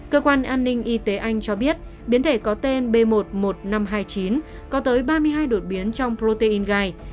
cơ quan an ninh y tế anh cho biết biến thể có tên b một mươi một nghìn năm trăm hai mươi chín có tới ba mươi hai đột biến trong protein gai